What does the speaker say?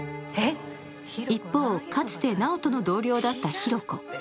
一方、かつて直人の同僚だった比呂子。